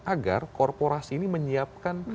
agar korporasi ini menyiapkan